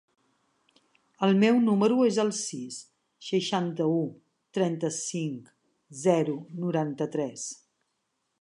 El meu número es el sis, seixanta-u, trenta-cinc, zero, noranta-tres.